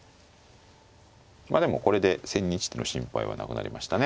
まあでもこれで千日手の心配はなくなりましたね。